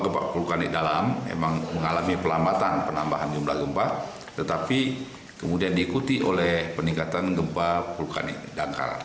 gempa vulkanik dalam memang mengalami pelambatan penambahan jumlah gempa tetapi kemudian diikuti oleh peningkatan gempa vulkanik dangkal